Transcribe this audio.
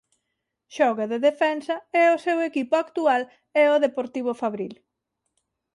Xoga de defensa e o seu equipo actual é o Deportivo Fabril.